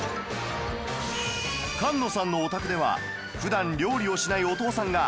菅野さんのお宅では普段料理をしないお父さんが初めて低温調理に挑戦